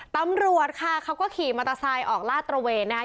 ตำรวจค่ะเขาก็ขี่มอเตอร์ไซค์ออกลาดตระเวนนะคะ